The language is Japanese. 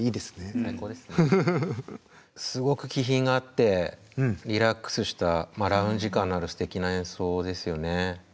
すごく気品があってリラックスしたラウンジ感のあるすてきな演奏ですよね。